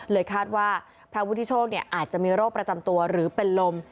คาดว่าพระวุฒิโชคอาจจะมีโรคประจำตัวหรือเป็นลม